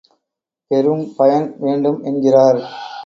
பெரும் பயன் வேண்டும் என்கிறார்.